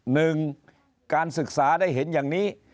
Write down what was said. หนึ่งการศึกษาได้เห็นอย่างนี้